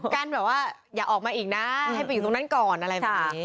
กันแบบว่าอย่าออกมาอีกนะให้ไปอยู่ตรงนั้นก่อนอะไรแบบนี้